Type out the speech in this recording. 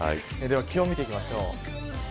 気温を見ていきましょう。